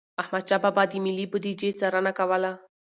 احمدشاه بابا به د ملي بوديجي څارنه کوله.